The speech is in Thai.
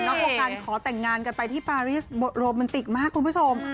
เจ้าสาวต่อกันขอแต่งงานไปที่ปาริสโบรมนติกมากคุณผู้ชม